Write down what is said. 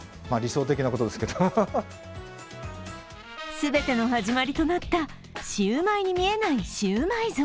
全ての始まりとなったシューマイに見えないシューマイ像。